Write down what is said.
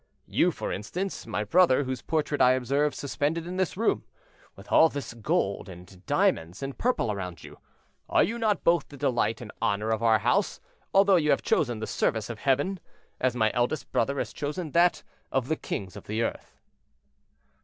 You, for instance, my brother, whose portrait I observe suspended in this room, with all this gold, and diamonds, and purple around you, are you not both the delight and honor of our house, although you have chosen the service of Heaven, as my eldest brother has chosen that of the kings of the earth?"